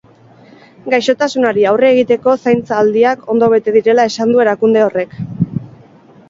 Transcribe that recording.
Gaixotasunari aurre egiteko zaintza aldiak ondo bete direla esan du erakunde horrek.